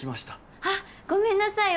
あっごめんなさい。